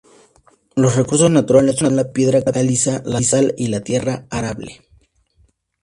Los recursos naturales son la piedra caliza, la sal y la tierra arable.